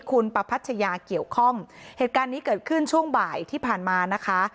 คุณประพัชยาเกี่ยวข้องเหตุการณ์นี้เกิดขึ้นช่วงบ่ายที่ผ่านมานะคะ